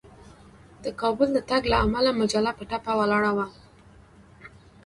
د کابل د تګ له امله مجله په ټپه ولاړه وه.